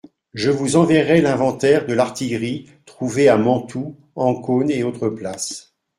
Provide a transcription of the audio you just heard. Je vous enverrai l'inventaire de l'artillerie trouvée à Mantoue, Ancône et autres places.